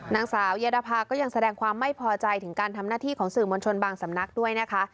นางสาวเยดาภาก็ยังแสดงความไม่พอใจถึงการทำหน้าที่ของสื่อมวลชนบางสำนักด้วยนะคะ